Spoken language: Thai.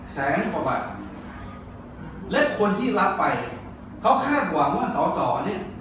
แสงของบัตรและคนที่รับไปเขาคาดหวังว่าสอสอนี้